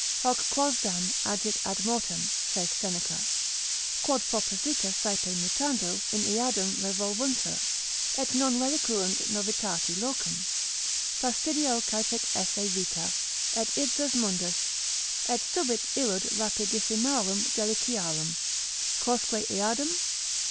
Hoc quosdam agit ad mortem, (saith Seneca) quod proposita saepe mutando in eadem revolvuntur, et non relinquunt novitati locum: Fastidio caepit esse vita, et ipsus mundus, et subit illud rapidissimarum deliciarum, Quousque eadem?